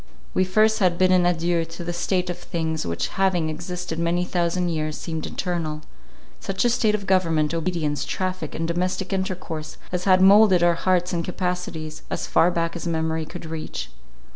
We first had bidden adieu to the state of things which having existed many thousand years, seemed eternal; such a state of government, obedience, traffic, and domestic intercourse, as had moulded our hearts and capacities, as far back as memory could reach.